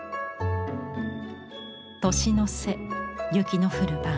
年の瀬雪の降る晩。